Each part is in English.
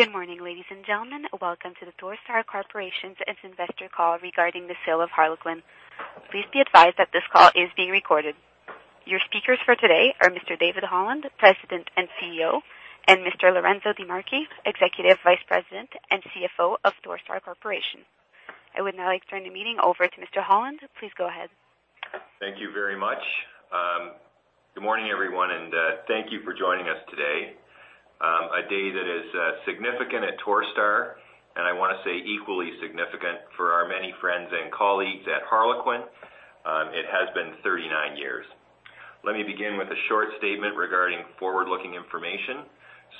Good morning, ladies and gentlemen. Welcome to the Torstar Corporation's investor call regarding the sale of Harlequin. Please be advised that this call is being recorded. Your speakers for today are Mr. David Holland, President and CEO, and Mr. Lorenzo DeMarchi, Executive Vice President and CFO of Torstar Corporation. I would now like to turn the meeting over to Mr. Holland. Please go ahead. Thank you very much. Good morning, everyone. Thank you for joining us today, a day that is significant at Torstar. I want to say equally significant for our many friends and colleagues at Harlequin. It has been 39 years. Let me begin with a short statement regarding forward-looking information.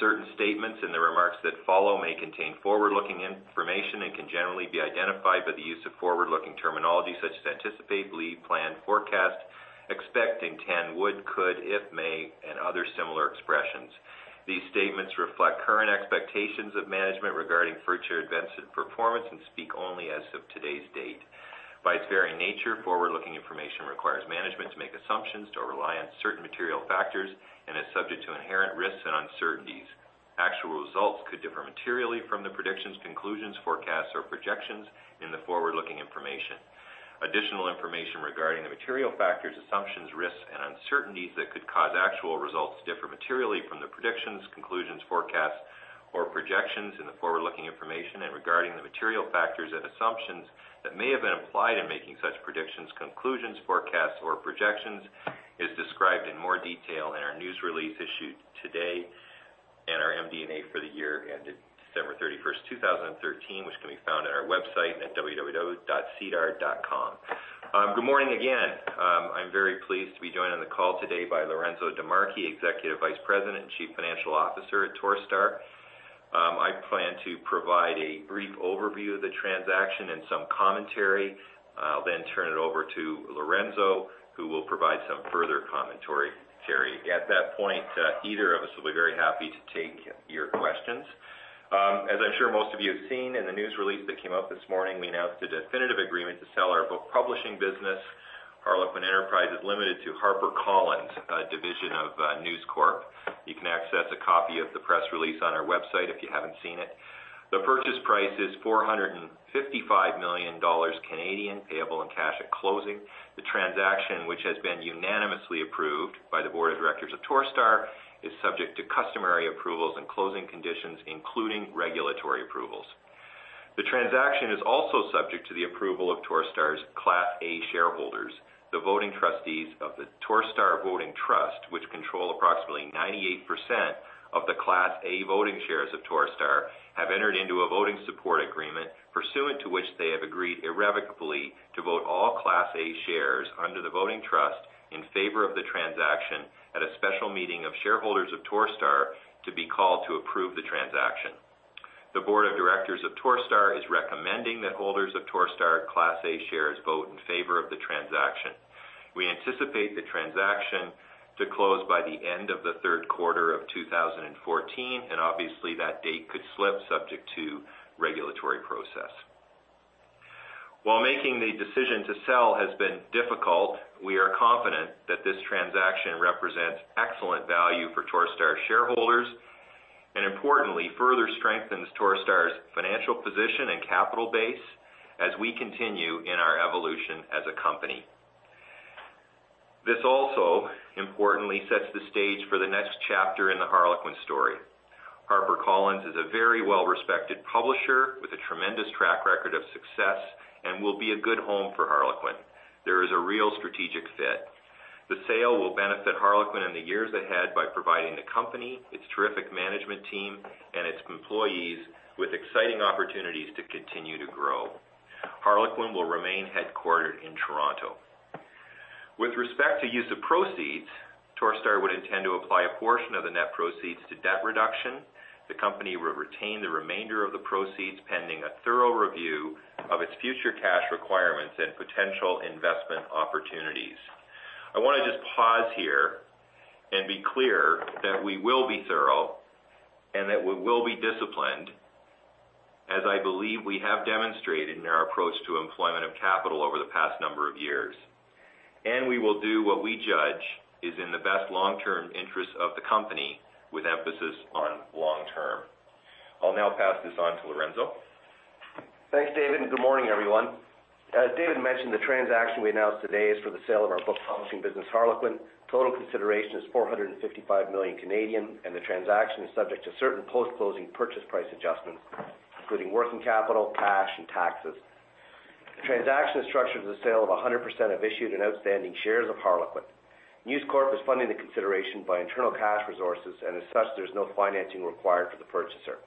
Certain statements in the remarks that follow may contain forward-looking information and can generally be identified by the use of forward-looking terminology such as anticipate, believe, plan, forecast, expecting, can, would, could, if, may, and other similar expressions. These statements reflect current expectations of management regarding future events and performance and speak only as of today's date. By its very nature, forward-looking information requires management to make assumptions to rely on certain material factors and is subject to inherent risks and uncertainties. Actual results could differ materially from the predictions, conclusions, forecasts, or projections in the forward-looking information. Additional information regarding the material factors, assumptions, risks, and uncertainties that could cause actual results to differ materially from the predictions, conclusions, forecasts, or projections in the forward-looking information and regarding the material factors and assumptions that may have been applied in making such predictions, conclusions, forecasts, or projections is described in more detail in our news release issued today. Our MD&A for the year ended December 31st, 2013, which can be found on our website at www.sedar.com. Good morning again. I'm very pleased to be joined on the call today by Lorenzo DeMarchi, Executive Vice President and Chief Financial Officer at Torstar. I plan to provide a brief overview of the transaction and some commentary. I'll turn it over to Lorenzo, who will provide some further commentary. At that point, either of us will be very happy to take your questions. As I'm sure most of you have seen in the news release that came out this morning, we announced a definitive agreement to sell our book publishing business, Harlequin Enterprises Limited, to HarperCollins, a division of News Corp. You can access a copy of the press release on our website if you haven't seen it. The purchase price is 455 million Canadian dollars, payable in cash at closing. The transaction, which has been unanimously approved by the board of directors of Torstar, is subject to customary approvals and closing conditions, including regulatory approvals. The transaction is also subject to the approval of Torstar's Class A shareholders. The voting trustees of the Torstar Voting Trust, which control approximately 98% of the Class A voting shares of Torstar, have entered into a voting support agreement, pursuant to which they have agreed irrevocably to vote all Class A shares under the voting trust in favor of the transaction at a special meeting of shareholders of Torstar to be called to approve the transaction. The board of directors of Torstar is recommending that holders of Torstar Class A shares vote in favor of the transaction. We anticipate the transaction to close by the end of the third quarter of 2014, and obviously, that date could slip subject to regulatory process. While making the decision to sell has been difficult, we are confident that this transaction represents excellent value for Torstar shareholders and importantly, further strengthens Torstar's financial position and capital base as we continue in our evolution as a company. This also importantly sets the stage for the next chapter in the Harlequin story. HarperCollins is a very well-respected publisher with a tremendous track record of success and will be a good home for Harlequin. There is a real strategic fit. The sale will benefit Harlequin in the years ahead by providing the company, its terrific management team, and its employees with exciting opportunities to continue to grow. Harlequin will remain headquartered in Toronto. With respect to use of proceeds, Torstar would intend to apply a portion of the net proceeds to debt reduction. The company will retain the remainder of the proceeds pending a thorough review of its future cash requirements and potential investment opportunities. I want to just pause here and be clear that we will be thorough and that we will be disciplined, as I believe we have demonstrated in our approach to employment of capital over the past number of years, and we will do what we judge is in the best long-term interest of the company, with emphasis on long-term. I will now pass this on to Lorenzo. Thanks, David, and good morning, everyone. As David mentioned, the transaction we announced today is for the sale of our book publishing business, Harlequin. Total consideration is 455 million, and the transaction is subject to certain post-closing purchase price adjustments, including working capital, cash, and taxes. The transaction is structured as a sale of 100% of issued and outstanding shares of Harlequin. News Corp is funding the consideration by internal cash resources, and as such, there is no financing required for the purchaser.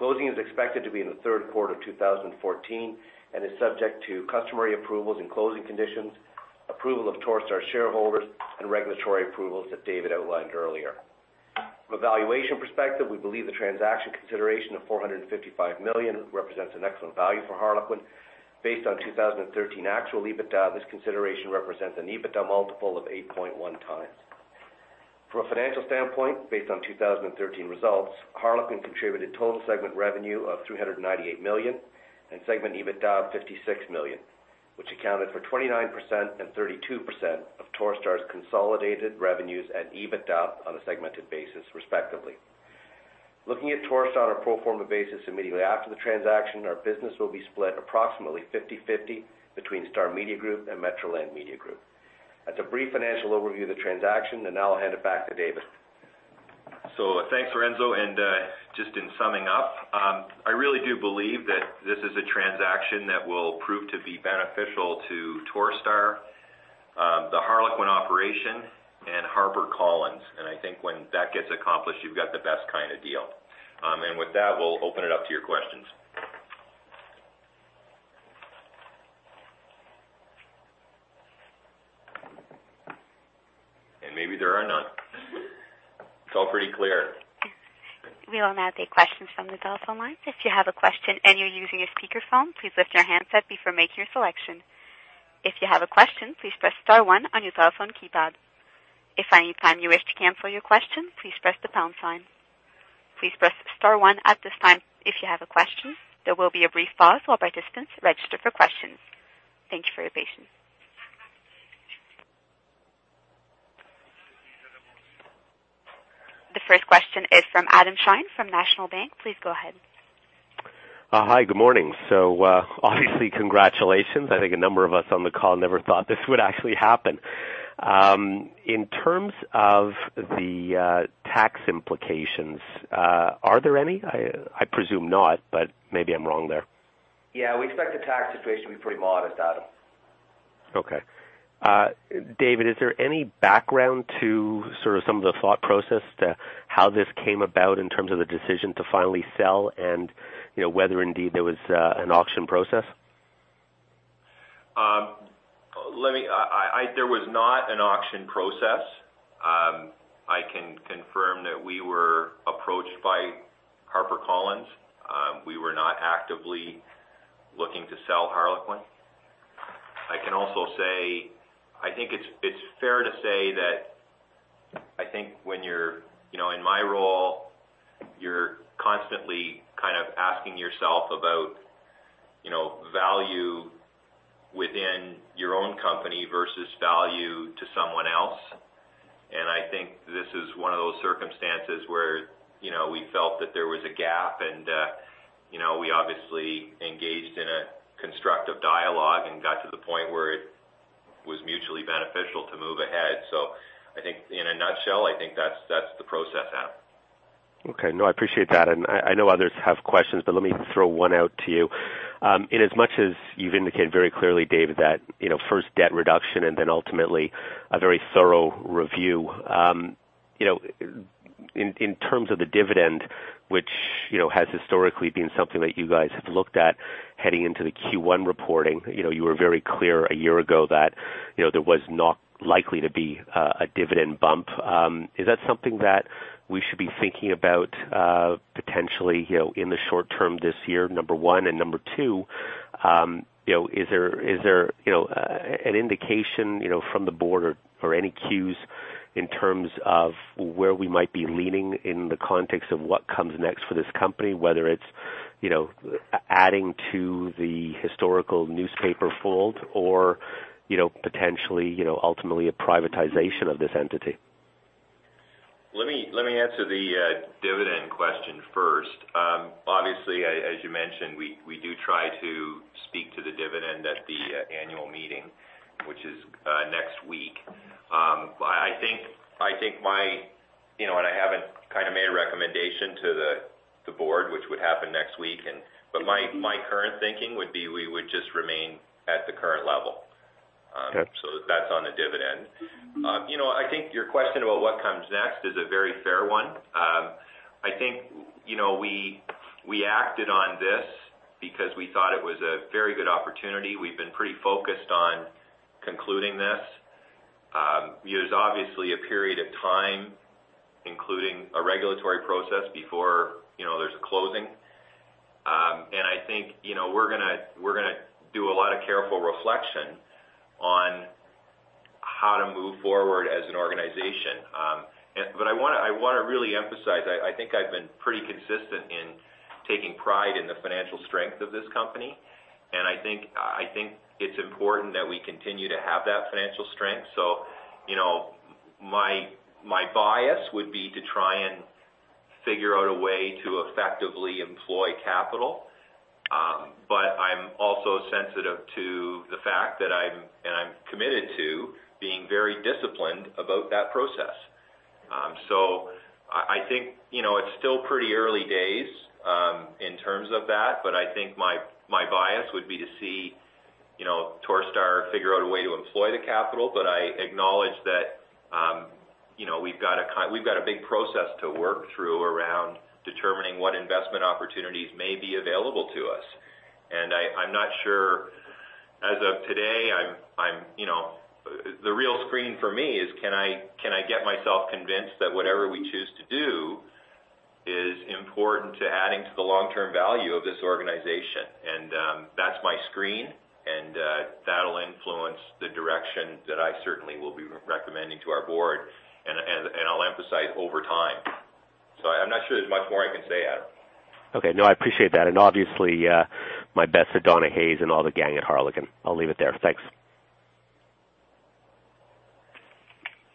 Closing is expected to be in the third quarter of 2014 and is subject to customary approvals and closing conditions, approval of Torstar shareholders, and regulatory approvals that David outlined earlier. From a valuation perspective, we believe the transaction consideration of 455 million represents an excellent value for Harlequin. Based on 2013 actual EBITDA, this consideration represents an EBITDA multiple of 8.1x. From a financial standpoint, based on 2013 results, Harlequin contributed total segment revenue of 398 million and segment EBITDA of 56 million. Which accounted for 29% and 32% of Torstar's consolidated revenues and EBITDA on a segmented basis, respectively. Looking at Torstar on a pro forma basis, immediately after the transaction, our business will be split approximately 50-50 between Star Media Group and Metroland Media Group. That's a brief financial overview of the transaction. Now I'll hand it back to David. Thanks, Lorenzo. Just in summing up, I really do believe that this is a transaction that will prove to be beneficial to Torstar, the Harlequin operation, and HarperCollins. I think when that gets accomplished, you've got the best kind of deal. With that, we'll open it up to your questions. Maybe there are none. It's all pretty clear. We will now take questions from the telephone line. If you have a question and you're using a speakerphone, please lift your handset before making your selection. If you have a question, please press star one on your telephone keypad. If at any time you wish to cancel your question, please press the pound sign. Please press star one at this time if you have a question. There will be a brief pause while participants register for questions. Thank you for your patience. The first question is from Adam Shine from National Bank. Please go ahead. Hi, good morning. Obviously, congratulations. I think a number of us on the call never thought this would actually happen. In terms of the tax implications, are there any? I presume not, but maybe I'm wrong there. Yeah, we expect the tax situation to be pretty modest, Adam. Okay. David, is there any background to some of the thought process to how this came about in terms of the decision to finally sell and whether indeed there was an auction process? There was not an auction process. I can confirm that we were approached by HarperCollins. We were not actively looking to sell Harlequin. I can also say, I think it's fair to say that I think when you're in my role, you're constantly asking yourself about value within your own company versus value to someone else. This is one of those circumstances where we felt that there was a gap and we obviously engaged in a constructive dialogue and got to the point where it was mutually beneficial to move ahead. I think in a nutshell, I think that's the process, Adam. Okay. No, I appreciate that. I know others have questions, but let me throw one out to you. In as much as you've indicated very clearly, David, that first debt reduction and then ultimately a very thorough review. In terms of the dividend, which has historically been something that you guys have looked at heading into the Q1 reporting, you were very clear a year ago that there was not likely to be a dividend bump. Is that something that we should be thinking about potentially in the short term this year, number one? Is there an indication from the board or any cues in terms of where we might be leaning in the context of what comes next for this company, whether it's adding to the historical newspaper fold or potentially ultimately a privatization of this entity? Let me answer the dividend question first. Obviously, as you mentioned, we do try to speak to the dividend at the annual meeting, which is next week. I haven't made a recommendation to the board, which would happen next week, but my current thinking would be we would just remain at the current level. Okay. That's on the dividend. I think your question about what comes next is a very fair one. I think we acted on this because we thought it was a very good opportunity. We've been pretty focused on concluding this. There's obviously a period of time, including a regulatory process before there's a closing. I think we're going to do a lot of careful reflection on how to move forward as an organization. I want to really emphasize, I think I've been pretty consistent in taking pride in the financial strength of this company, and I think it's important that we continue to have that financial strength. My bias would be to try and figure out a way to effectively employ capital, but I'm also sensitive to the fact that I'm committed to being very disciplined about that process. I think it's still pretty early days in terms of that, but I think my bias would be to see Torstar figure out a way to employ the capital, but I acknowledge that we've got a big process to work through around determining what investment opportunities may be available to us. I'm not sure, as of today, the real screen for me is can I get myself convinced that whatever we choose to do is important to adding to the long-term value of this organization? That's my screen, and that'll influence the direction that I certainly will be recommending to our board, and I'll emphasize over time. I'm not sure there's much more I can say, Adam. Okay. No, I appreciate that. Obviously, my best to Donna Hayes and all the gang at Harlequin. I'll leave it there. Thanks.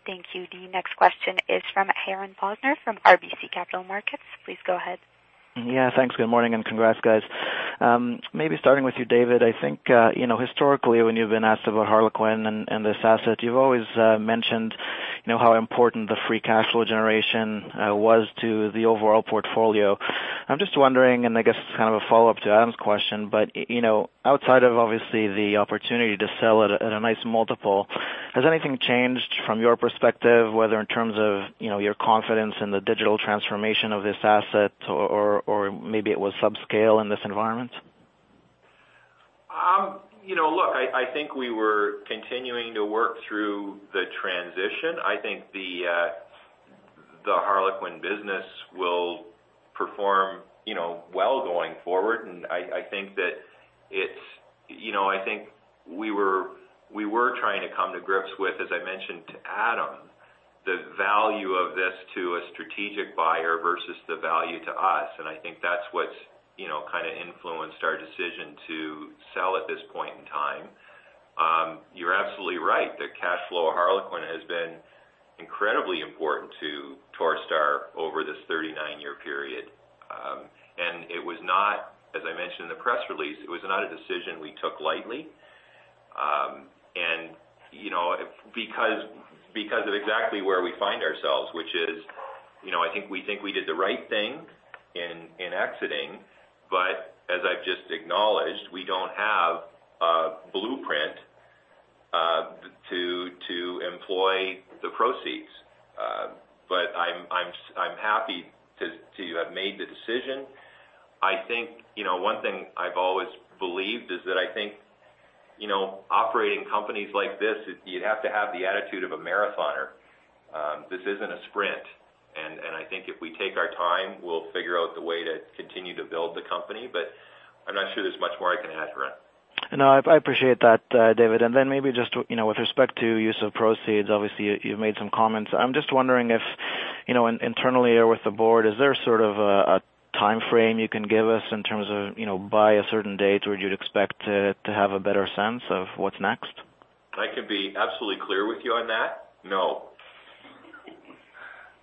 Thank you. The next question is from Haran Posner from RBC Capital Markets. Please go ahead. Yeah. Thanks. Good morning, and congrats, guys. Maybe starting with you, David, I think, historically, when you've been asked about Harlequin and this asset, you've always mentioned how important the free cash flow generation was to the overall portfolio. I'm just wondering, and I guess this is kind of a follow-up to Adam's question, but outside of obviously the opportunity to sell at a nice multiple, has anything changed from your perspective, whether in terms of your confidence in the digital transformation of this asset or maybe it was subscale in this environment? Look, I think we were continuing to work through the transition. I think the Harlequin business will perform well going forward, and I think we were trying to come to grips with, as I mentioned to Adam, the value of this to a strategic buyer versus the value to us, and I think that's what's kind of influenced our decision to sell at this point in time. You're absolutely right that cash flow of Harlequin has been incredibly important to Torstar over this 39-year period. As I mentioned in the press release, it was not a decision we took lightly. Because of exactly where we find ourselves, which is I think we think we did the right thing in exiting, but as I've just acknowledged, we don't have a blueprint to employ the proceeds. I'm happy to have made the decision. I think one thing I've always believed is that I think operating companies like this, you have to have the attitude of a marathoner. This isn't a sprint, and I think if we take our time, we'll figure out the way to continue to build the company, but I'm not sure there's much more I can add, Haran. No, I appreciate that, David. Maybe just with respect to use of proceeds, obviously, you've made some comments. I'm just wondering if internally or with the board, is there sort of a timeframe you can give us in terms of by a certain date or you'd expect to have a better sense of what's next? I can be absolutely clear with you on that. No.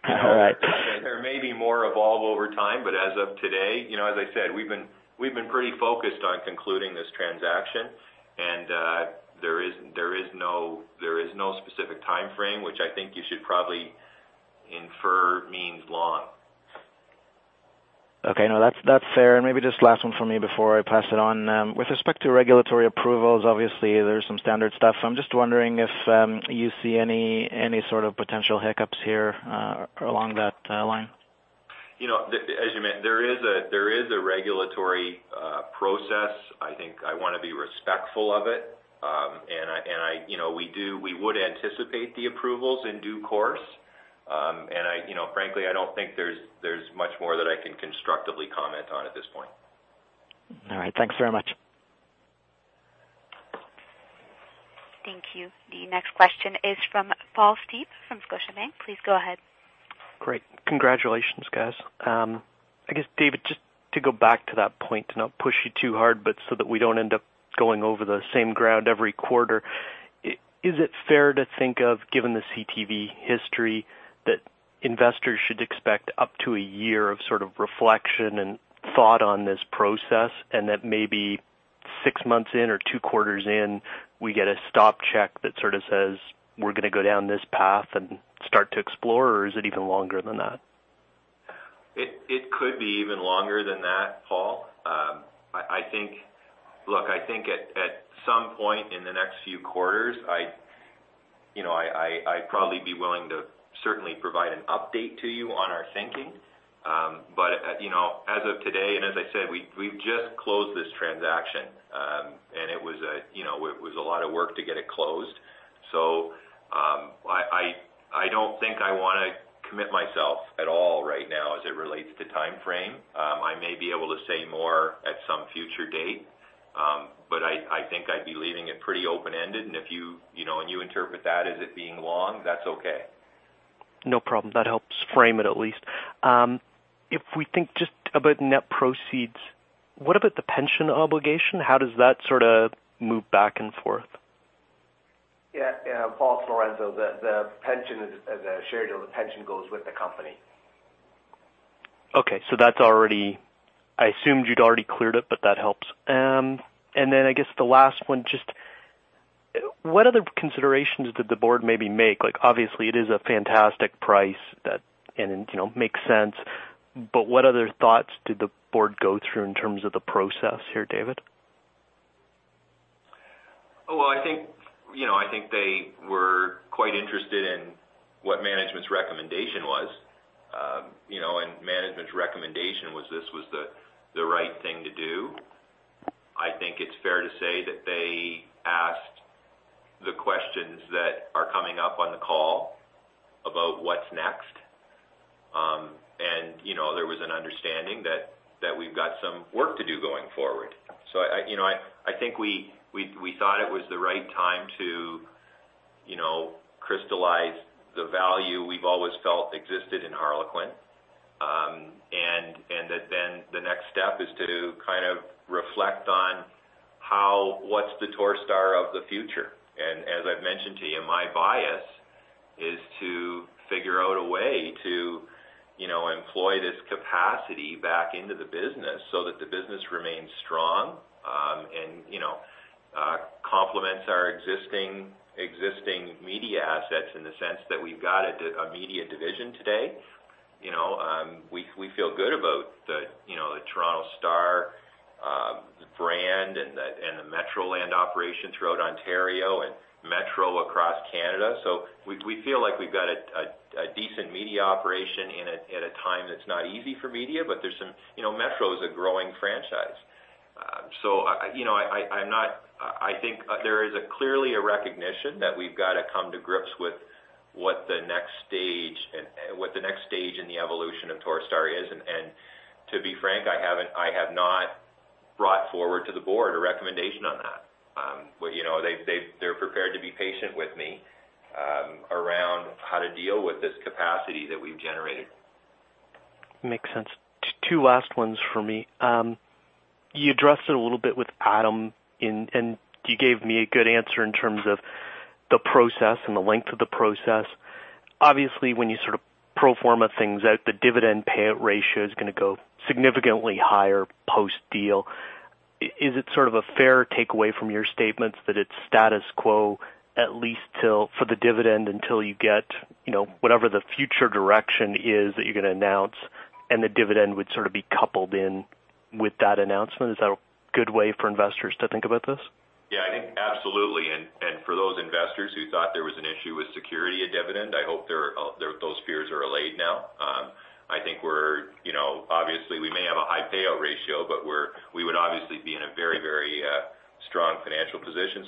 All right. There may be more evolve over time, but as of today, as I said, we've been pretty focused on concluding this transaction, and there is no specific timeframe, which I think you should probably infer means long. Okay. No, that's fair. Maybe just last one from me before I pass it on. With respect to regulatory approvals, obviously, there's some standard stuff. I'm just wondering if you see any sort of potential hiccups here along that line. As you mentioned, there is a regulatory process. I think I want to be respectful of it. We would anticipate the approvals in due course. Frankly, I don't think there's much more that I can constructively comment on at this point. All right. Thanks very much. Thank you. The next question is from Paul Steed from Scotiabank. Please go ahead. Great. Congratulations, guys. I guess, David, just to go back to that point, to not push you too hard, but so that we don't end up going over the same ground every quarter. Is it fair to think of, given the CTV history, that investors should expect up to a year of sort of reflection and thought on this process, and that maybe six months in or two quarters in, we get a stop check that sort of says, "We're going to go down this path and start to explore," or is it even longer than that? It could be even longer than that, Paul. Look, I think at some point in the next few quarters, I'd probably be willing to certainly provide an update to you on our thinking. As of today, and as I said, we've just closed this transaction. It was a lot of work to get it closed. I don't think I want to commit myself at all right now as it relates to timeframe. I may be able to say more at some future date. I think I'd be leaving it pretty open-ended, and if you interpret that as it being long, that's okay. No problem. That helps frame it, at least. If we think just about net proceeds, what about the pension obligation? How does that sort of move back and forth? Yeah, Paul. It's Lorenzo. The pension is a schedule. The pension goes with the company. Okay. I assumed you'd already cleared it, but that helps. I guess the last one, just what other considerations did the board maybe make? Obviously, it is a fantastic price that makes sense, but what other thoughts did the board go through in terms of the process here, David? Well, I think they were quite interested in what management's recommendation was. Management's recommendation was this was the right thing to do. I think it's fair to say that they asked the questions that are coming up on the call about what's next. There was an understanding that we've got some work to do going forward. I think we thought it was the right time to crystallize the value we've always felt existed in Harlequin. The next step is to reflect on what's the Torstar of the future. As I've mentioned to you, my bias is to figure out a way to employ this capacity back into the business so that the business remains strong and complements our existing media assets in the sense that we've got a media division today. We feel good about the Toronto Star brand and the Metroland operation throughout Ontario and Metro across Canada. We feel like we've got a decent media operation at a time that's not easy for media, but Metro is a growing franchise. I think there is clearly a recognition that we've got to come to grips with what the next stage in the evolution of Torstar is. To be frank, I have not brought forward to the board a recommendation on that. They're prepared to be patient with me around how to deal with this capacity that we've generated. Makes sense. Two last ones for me. You addressed it a little bit with Adam, you gave me a good answer in terms of the process and the length of the process. Obviously, when you pro forma things out, the dividend payout ratio is going to go significantly higher post-deal. Is it a fair takeaway from your statements that it's status quo, at least for the dividend, until you get whatever the future direction is that you're going to announce, the dividend would be coupled in with that announcement? Is that a good way for investors to think about this? Yeah, I think absolutely. For those investors who thought there was an issue with security of dividend, I hope those fears are allayed now. Obviously we may have a high payout ratio, but we would obviously be in a very strong financial position.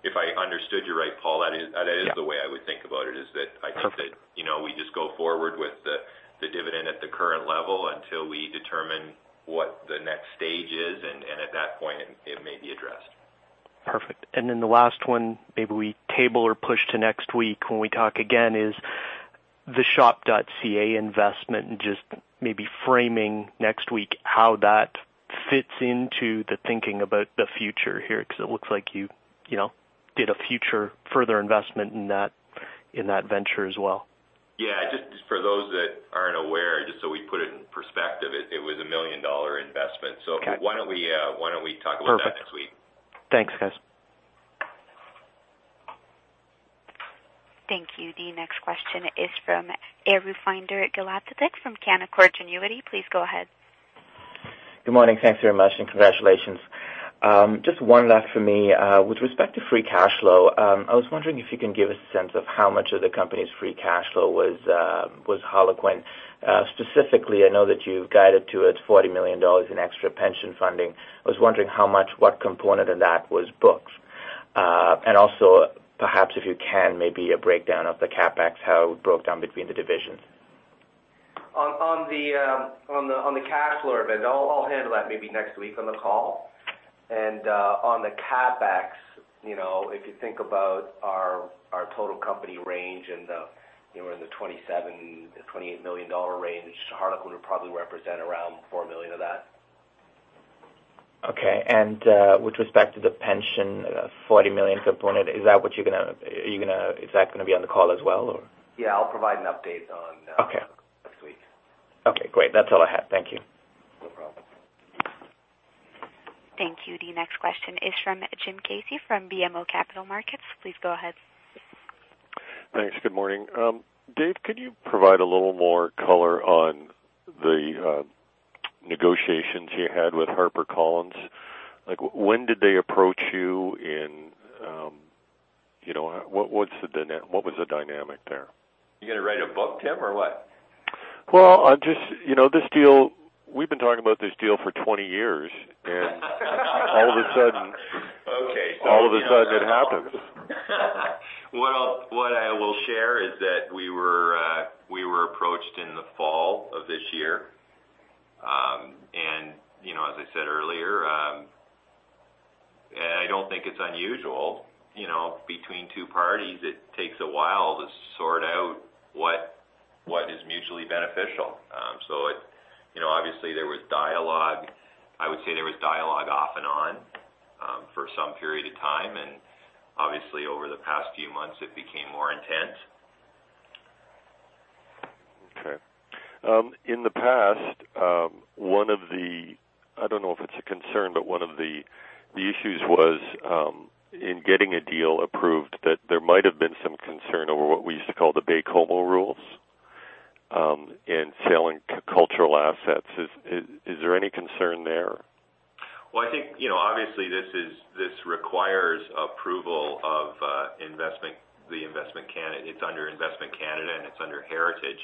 If I understood you right, Paul, that is the way I would think about it. Perfect. Is that I think that we just go forward with the dividend at the current level until we determine what the next stage is. At that point, it may be addressed. Perfect. The last one, maybe we table or push to next week when we talk again, is the Shop.ca investment. Just maybe framing next week how that fits into the thinking about the future here, because it looks like you did a future further investment in that venture as well. Yeah. Just for those that aren't aware, just so we put it in perspective, it was a $1 million investment. Okay. Why don't we talk about that next week? Perfect. Thanks, guys. Thank you. The next question is from Aravinda Galappatthige from Canaccord Genuity. Please go ahead. Good morning. Thanks very much, congratulations. Just one last for me. With respect to free cash flow, I was wondering if you can give a sense of how much of the company's free cash flow was Harlequin. Specifically, I know that you've guided to it $40 million in extra pension funding. I was wondering how much, what component of that was books. Also, perhaps if you can, maybe a breakdown of the CapEx, how it broke down between the divisions. On the cash flow event, I'll handle that maybe next week on the call. On the CapEx, if you think about our total company range in the $27 million-$28 million range, Harlequin would probably represent around $4 million of that. Okay. With respect to the pension, $40 million component, is that going to be on the call as well? Yeah, I'll provide an update on that. Okay next week. Okay, great. That's all I had. Thank you. No problem. Thank you. The next question is from Tim Casey from BMO Capital Markets. Please go ahead. Thanks. Good morning. Dave, could you provide a little more color on the negotiations you had with HarperCollins? When did they approach you, and what was the dynamic there? You going to write a book, Tim, or what? Well, we've been talking about this deal for 20 years. Okay. All of a sudden it happens. What I will share is that we were approached in the fall of this year. As I said earlier, I don't think it's unusual, between two parties, it takes a while to sort out what is mutually beneficial. Obviously there was dialogue. I would say there was dialogue off and on for some period of time, obviously over the past few months, it became more intense. Okay. In the past, one of the, I don't know if it's a concern, one of the issues was in getting a deal approved that there might have been some concern over what we used to call the Baie-Comeau rules in selling cultural assets. Is there any concern there? Well, I think obviously this requires approval of the Investment Canada. It's under Investment Canada, it's under Heritage.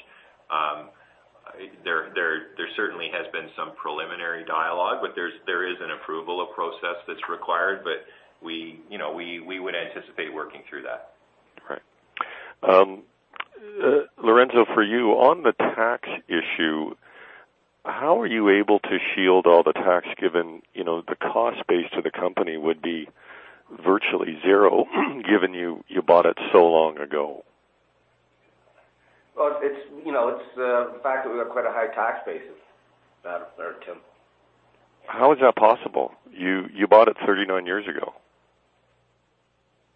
There certainly has been some preliminary dialogue, there is an approval, a process that's required, we would anticipate working through that. Okay. Lorenzo, for you, on the tax issue, how are you able to shield all the tax given the cost base to the company would be virtually zero given you bought it so long ago? Well, it's the fact that we've got quite a high tax basis there, Tim. How is that possible? You bought it 39 years ago.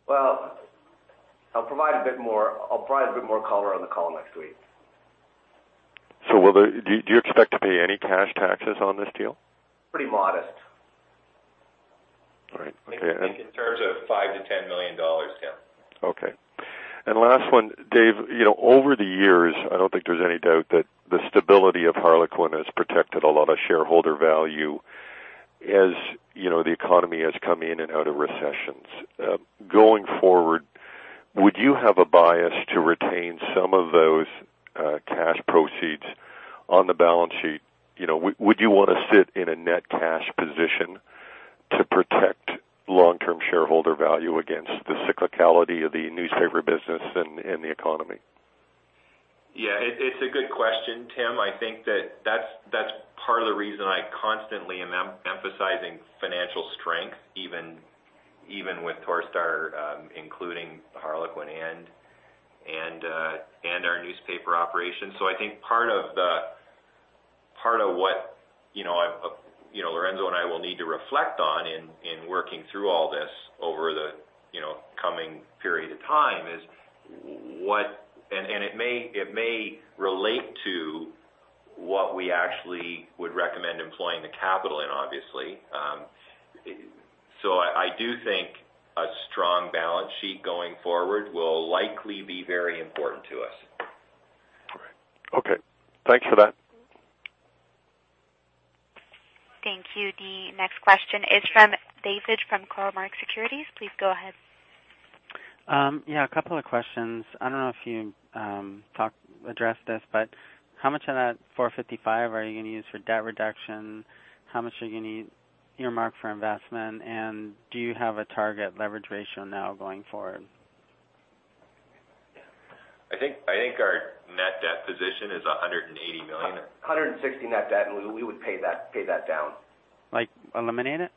Well, I'll provide a bit more color on the call next week. Do you expect to pay any cash taxes on this deal? Pretty modest. All right. Okay. Think in terms of $5 million-$10 million, Tim. Okay. Last one, Dave, over the years, I don't think there's any doubt that the stability of Harlequin has protected a lot of shareholder value as the economy has come in and out of recessions. Going forward, would you have a bias to retain some of those cash proceeds on the balance sheet? Would you want to sit in a net cash position to protect long-term shareholder value against the cyclicality of the newspaper business and the economy? It's a good question, Tim. I think that's part of the reason I constantly am emphasizing financial strength, even with Torstar, including Harlequin and our newspaper operations. I think part of what Lorenzo and I will need to reflect on in working through all this over the coming period of time is what, and it may relate to what we actually would recommend employing the capital in, obviously. I do think a strong balance sheet going forward will likely be very important to us. All right. Okay. Thanks for that. Thank you. The next question is from David from Cormark Securities. Please go ahead. A couple of questions. I don't know if you addressed this, how much of that 455 are you going to use for debt reduction? How much are you going to earmark for investment? Do you have a target leverage ratio now going forward? Yeah. I think our net debt position is $180 million. $160 net debt, we would pay that down. Like eliminate it?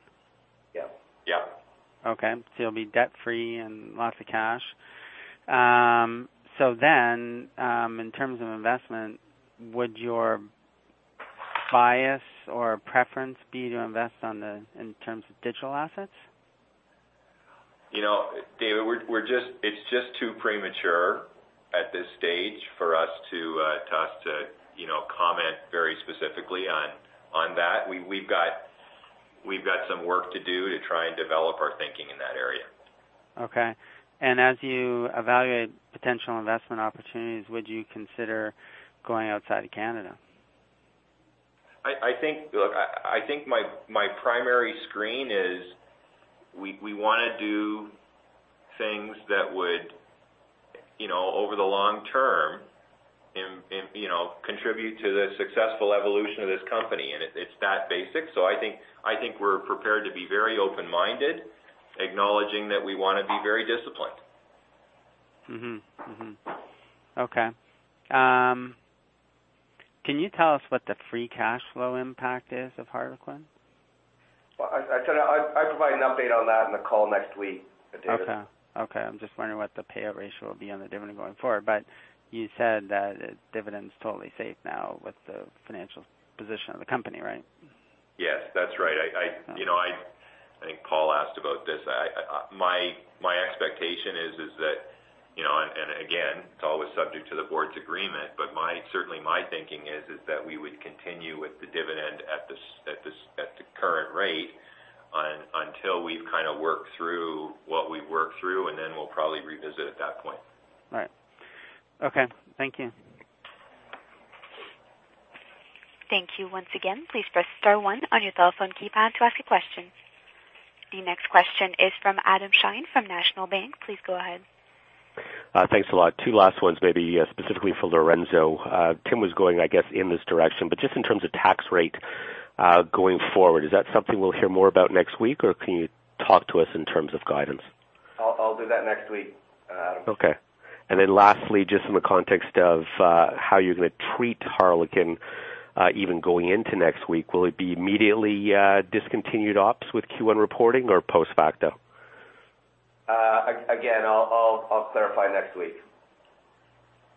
Yes. Yeah. Okay. You'll be debt free and lots of cash. In terms of investment, would your bias or preference be to invest in terms of digital assets? David, it's just too premature at this stage for us to comment very specifically on that. We've got some work to do to try and develop our thinking in that area. As you evaluate potential investment opportunities, would you consider going outside of Canada? Look, I think my primary screen is we want to do things that would, over the long term, contribute to the successful evolution of this company, and it's that basic. I think we're prepared to be very open-minded, acknowledging that we want to be very disciplined. Okay. Can you tell us what the free cash flow impact is of Harlequin? Well, I'd provide an update on that in the call next week, David. Okay. I'm just wondering what the payout ratio will be on the dividend going forward. You said that the dividend's totally safe now with the financial position of the company, right? Yes, that's right. I think Paul asked about this. My expectation is that, and again, it's always subject to the board's agreement, but certainly my thinking is that we would continue with the dividend at the current rate until we've worked through what we've worked through, and then we'll probably revisit at that point. All right. Okay. Thank you. Thank you once again. Please press star one on your telephone keypad to ask a question. The next question is from Adam Shine from National Bank. Please go ahead. Thanks a lot. Two last ones, maybe specifically for Lorenzo. Tim was going, I guess, in this direction. Just in terms of tax rate going forward, is that something we'll hear more about next week, or can you talk to us in terms of guidance? I'll do that next week, Adam. Okay. Then lastly, just from a context of how you're going to treat Harlequin even going into next week, will it be immediately discontinued ops with Q1 reporting or post facto? Again, I'll clarify next week.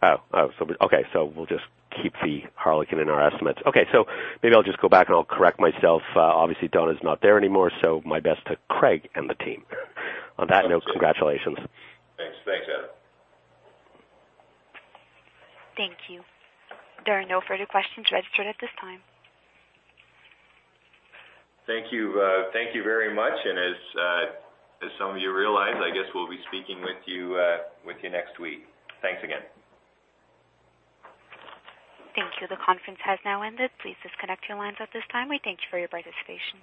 Okay. We'll just keep the Harlequin in our estimates. Okay. Maybe I'll just go back and I'll correct myself. Obviously, Donna's not there anymore, so my best to Craig and the team. On that note, congratulations. Thanks, Adam. Thank you. There are no further questions registered at this time. Thank you very much. As some of you realize, I guess we'll be speaking with you next week. Thanks again. Thank you. The conference has now ended. Please disconnect your lines at this time. We thank you for your participation.